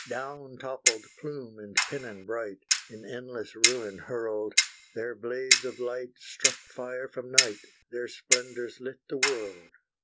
Down toppled plume and pennon bright, In endless ruin hurled, Their blades of light struck fire from night Their splendours lit the world!